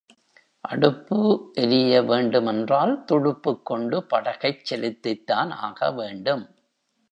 அடுப்பு எரிய வேண்டுமென்றால் துடுப்புக் கொண்டு படகைச் செலுத்தித்தான் ஆக வேண்டும்.